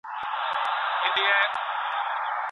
په ولایتونو کي روغتیایي مشران څوک دي؟